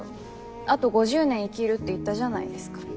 あと５０年生きるって言ったじゃないですか。